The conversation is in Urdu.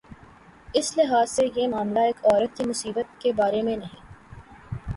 اس لحاظ سے یہ معاملہ ایک عورت کی مصیبت کے بارے میں نہیں۔